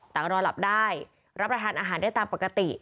แต่ก็รอหลับได้รับประทานอาหารได้ตามปกติ